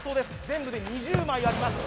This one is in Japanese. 全部で２０枚あります